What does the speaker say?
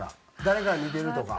誰かに似てるとか。